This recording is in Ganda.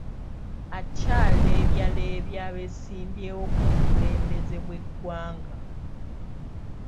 Akyaleebyaleebya abeesimbyewo ku bukulembeze bw'eggwanga.